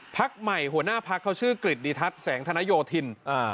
พักใหม่หัวหน้าพักเขาชื่อกริจดิทัศน์แสงธนโยธิน